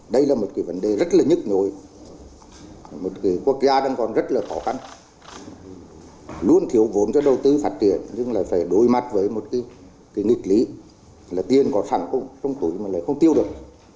đây là một vấn đề rất nhức nhối một quốc gia đang còn rất khó khăn luôn thiếu vốn cho đầu tư phát triển nhưng phải đối mặt với một nghịch lý là tiền có sẵn trong tuổi mà lại không tiêu được